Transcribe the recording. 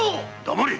黙れ！